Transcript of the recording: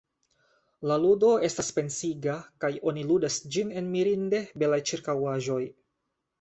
La ludo estas pensiga, kaj oni ludas ĝin en mirinde belaj ĉirkaŭaĵoj.